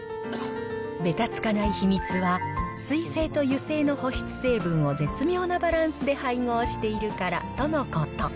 べたつかない秘密は、水性と油性の保湿成分を絶妙なバランスで配合しているからとのこと。